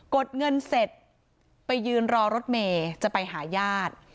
ดเงินเสร็จไปยืนรอรถเมย์จะไปหาญาติ